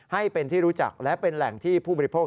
ให้เป็นที่รู้จักและเป็นแหล่งที่ผู้บริโภค